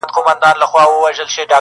o چي موږ غله سوو، بيا سپوږمۍ راوخته!